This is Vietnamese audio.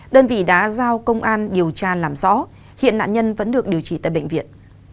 đơn vị đã giao công an điều tra làm rõ hiện nạn nhân vẫn được điều trị tại bệnh viện